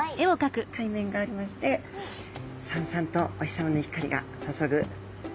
海面がありましてさんさんとお日さまの光が注ぐあったかい